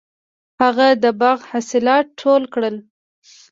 هغه د باغ حاصلات ټول کړل.